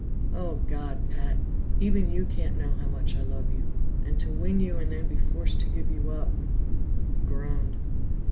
"Oh God, Pat! Even you can't know how much I love you; and to win you and then be forced to give you up " He groaned.